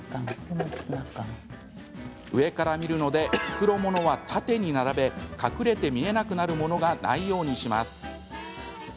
上から見るので袋物は縦に並べ隠れて見えなくなるものがないようにします。